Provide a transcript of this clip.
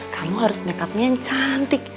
kamu harus makeupnya yang cantik